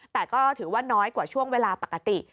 แต่ก็ถือว่าน้อยกว่าช่วงเวลาปกติ